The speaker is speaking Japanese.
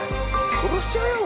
殺しちゃうよ？